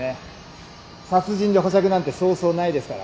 殺人で保釈なんてそうそうないですから。